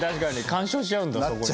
干渉しちゃうんだそこで。